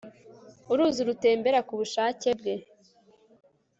Uruzi rutembera ku bushake bwe